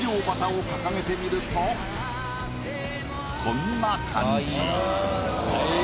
こんな感じ。